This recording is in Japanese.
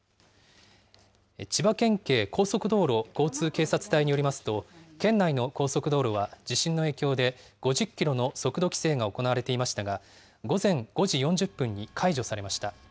千葉県警高速道路交通警察隊によりますと、県内の高速道路は、地震の影響で５０キロの速度規制が行われていましたが、午前５時４０分に解除されました。